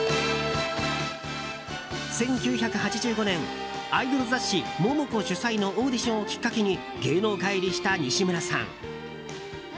１９８５年、アイドル雑誌「Ｍｏｍｏｃｏ」主催のオーディションをきっかけに芸能界入りした西村さん。